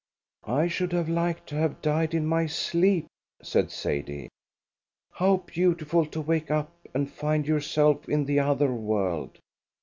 "I should have liked to have died in my sleep," said Sadie. "How beautiful to wake up and find yourself in the other world!